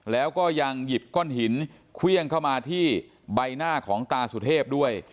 แล้วก็ยังหยิบก้อนหินเครื่องเข้ามาที่ใบหน้าของตาสุเทพด้วย